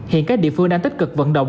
hiện các địa phương đang tích cực vận động